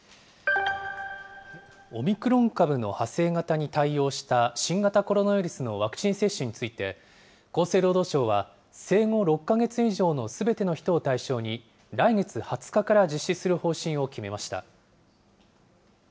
オミクロン株の派生型に対応した新型コロナウイルスのワクチン接種について、厚生労働省は、生後６か月以上のすべての人を対象に、来月２０日から実施する方針を決めました。